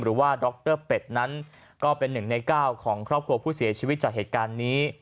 หรือว่าดรเป็ดนั้นก็เป็น๑ใน๙ของครอบครัวผู้เสียชีวิตจากเหตุการณ์นี้